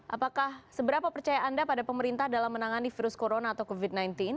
apakah seberapa percaya anda pada pemerintah dalam menangani virus corona atau covid sembilan belas